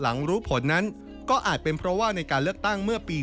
รู้ผลนั้นก็อาจเป็นเพราะว่าในการเลือกตั้งเมื่อปี๒๕